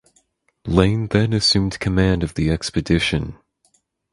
Lane then assumed command of the expedition.